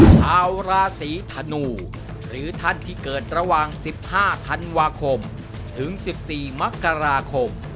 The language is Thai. ชาวราศีธนูหรือท่านที่เกิดระหว่าง๑๕ธันวาคมถึง๑๔มกราคม